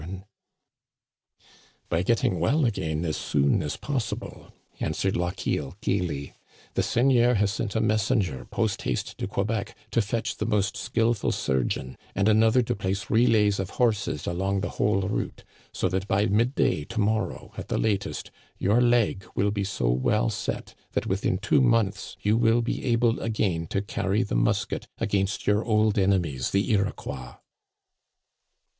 Digitized by VjOOQIC 74 THE CANADIANS OF OLD, " By getting well again as soon as possible," answered Lochiel gayly. "The seigneur has sent a messenger post haste to Quebec to fetch the most skillful surgeon, and another to place relays of horses along the whole route, so that by midday to morrow, at the latest, your leg will be so well set that within two months you will be able again to carry the musket against * your old ene mies the Iroquois."